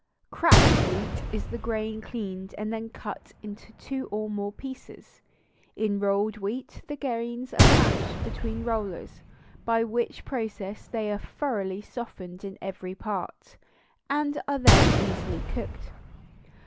Cracked wheat is the grain cleaned and then cut into two or more pieces; in rolled wheat the grains are mashed between rollers, by which process they are thoroughly softened in every part, and are then easily cooked.